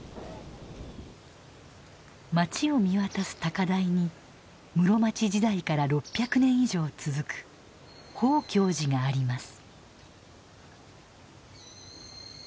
町を見渡す高台に室町時代から６００年以上続く宝鏡寺があります。